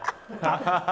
ハハハ！